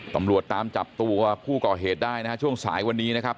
ตำรวจตามจับตัวผู้ก่อเหตุได้นะฮะช่วงสายวันนี้นะครับ